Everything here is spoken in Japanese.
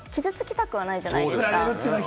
怖いというか、傷つきたくないじゃないですか。